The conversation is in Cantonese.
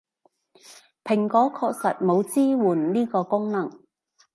蘋果確實冇支援呢個功能